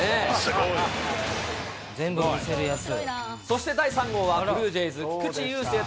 全部見せるやつ。